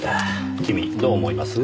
君どう思います？